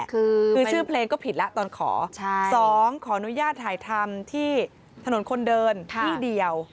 คือชื่อเพลงก็ผิดแล้วตอนขอ๒ขออนุญาตถ่ายทำที่ถนนคนเดินที่เดียว